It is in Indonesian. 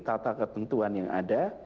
tata ketentuan yang ada